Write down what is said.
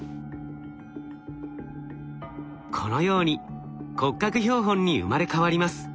このように骨格標本に生まれ変わります。